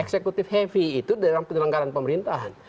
eksekutif heavy itu dalam penyelenggaran pemerintahan